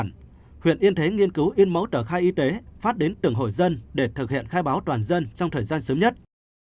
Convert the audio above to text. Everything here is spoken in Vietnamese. công an huyện yên thế nghiên cứu yên mẫu trở khai y tế phát đến tưởng hội dân để thực hiện khai báo toàn dân trong thời gian sớm nhất